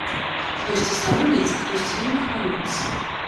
Хтосьці саромеецца, хтосьці вельмі хвалюецца.